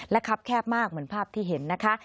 ครับแคบมากเหมือนภาพที่เห็นนะคะ